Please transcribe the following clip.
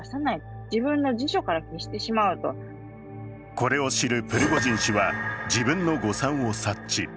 これを知るプリゴジン氏は自分の誤算を察知。